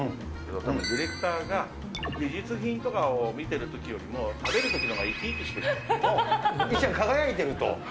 ディレクターが、美術品とかを見てるときよりも、食べるときのほうが生き生きして石ちゃん輝いてると。